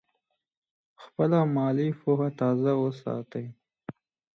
خپله مالي پوهه تازه وساتئ.